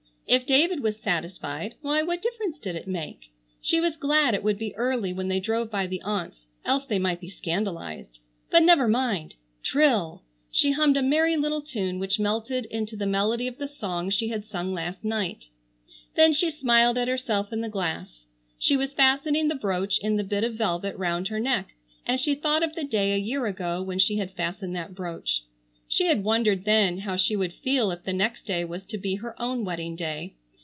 If David was satisfied why what difference did it make? She was glad it would be early when they drove by the aunts, else they might be scandalized. But never mind! Trill! She hummed a merry little tune which melted into the melody of the song she had sung last night. Then she smiled at herself in the glass. She was fastening the brooch in the bit of velvet round her neck, and she thought of the day a year ago when she had fastened that brooch. She had wondered then how she would feel if the next day was to be her own wedding day.